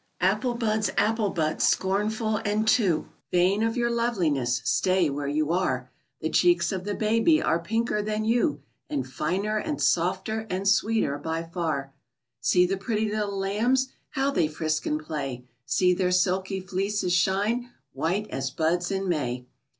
Apple buds, apple buds, scornful and too Vain of your loveliness, stay where you are! The cheeks of the baby are pinker than you, And finer and softer and sweeter by far! See the pretty little lambs, How they frisk and play! See their silky fleeces shine White as buds in May!